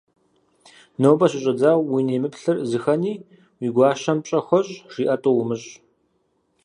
- Нобэ щыщӀэдзауэ уи нэмыплъыр зыхэни, уи гуащэм пщӀэ хуэщӀ, жиӀэр тӀу умыщӀ.